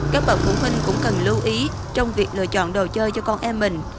các bậc phụ huynh cũng cần lưu ý trong việc lựa chọn đồ chơi cho con em mình